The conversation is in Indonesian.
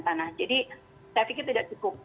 tanah jadi saya pikir tidak cukup